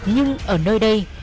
nhưng ở nơi đây